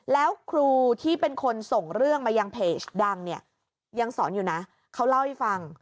แล้วครูที่เป็นคนส่งเรื่องมายังเพจดังเนี่ยยังสอนอยู่นะเขาเล่าให้ฟัง